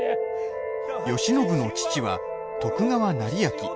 慶喜の父は徳川斉昭。